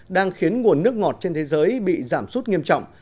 đang khiến nguồn nước ngọt trên thế giới bị giảm sút nghiêm trọng